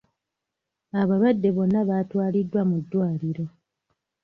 Abalwadde bonna baatwaliddwa mu ddwaliro.